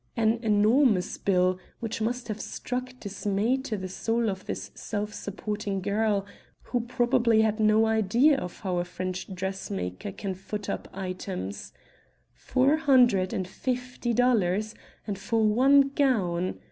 An enormous bill, which must have struck dismay to the soul of this self supporting girl, who probably had no idea of how a French dressmaker can foot up items. Four hundred and fifty dollars! and for one gown!